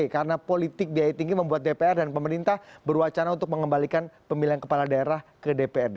karena politik biaya tinggi membuat dpr dan pemerintah berwacana untuk mengembalikan pemilihan kepala daerah ke dprd